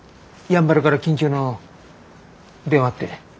やんばるから緊急の電話って。